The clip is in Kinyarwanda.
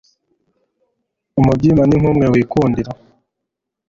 umubyima ni nk'umwe nikundira